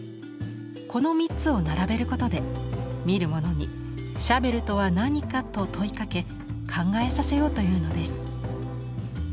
この３つを並べることで見る者に「シャベルとは何か？」と問いかけ考えさせようというのです。